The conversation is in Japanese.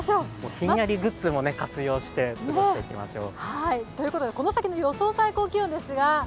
ひんやりグッズも活用して過ごしていきましょう。